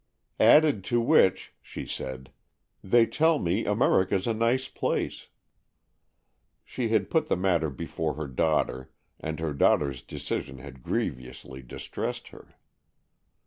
'' Added to which," she said, '' they tell me America's a nice place " She had put the matter before her daughter, and her daughter's decision had grievously distressed her.